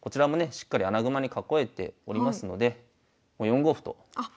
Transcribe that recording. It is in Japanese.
しっかり穴熊に囲えておりますので４五歩とあっここで。